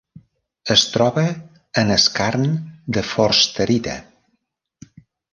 Es troba en skarn de forsterita.